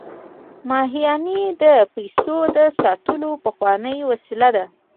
همیانۍ د پیسو د ساتلو پخوانۍ وسیله ده